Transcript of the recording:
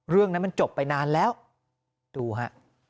เรื่องนั้นมันจบไปนานแล้วดูฮะ